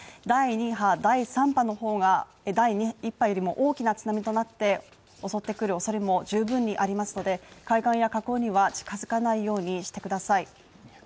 第２波第３波の方が第１波よりも大きな津波となって襲ってくる恐れも十分にありますので、海岸や河口には近づかないようにしてください。